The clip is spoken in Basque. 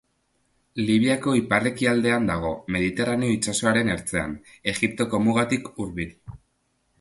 Libiako ipar-ekialdean dago, Mediterraneo itsasoaren ertzean, Egiptoko mugatik hurbil.